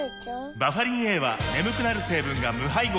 バファリンＡは眠くなる成分が無配合なんです